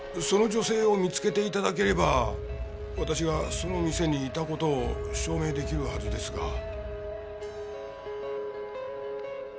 その女性を見つけて頂ければ私がその店にいた事を証明できるはずですが。